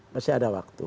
masih ada waktu